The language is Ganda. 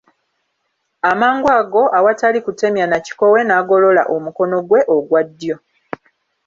Amangu ago awatali kutemya na kikowe n'agolola omukono gwe ogwa ddyo.